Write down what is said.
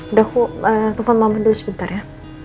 udah aku eh tumpang mama dulu sebentar ya